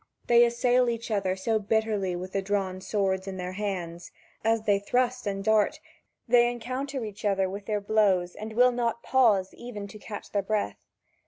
They assail each other so bitterly with the drawn swords in their hands that, as they thrust and draw, they encounter each other with their blows and will not pause even to catch their breath.